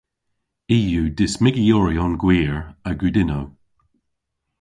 I yw dismygyoryon gwir a gudynnow.